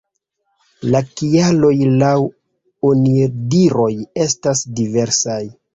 La kialoj laŭ onidiroj estas diversaj.